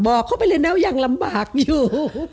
บอกเขาไปเลยนะว่ายังลำบากอยู่